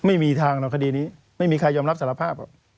ไม่มีทางหรอกคดีนี้ไม่มีใครยอมรับสารภาพหรอก